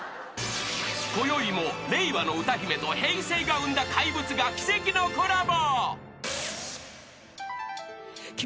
［こよいも令和の歌姫と平成が生んだ怪物が奇跡のコラボ］